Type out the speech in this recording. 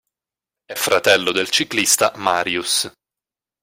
È fratello del ciclista Marius.